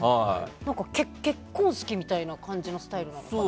結婚式みたいな感じのスタイルなのかな。